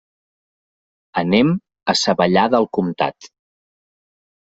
Anem a Savallà del Comtat.